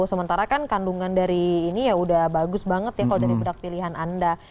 sementara kan kandungan dari ini ya udah bagus banget ya kalau dari berat pilihan anda